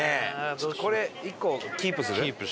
ちょっとこれ１個キープする？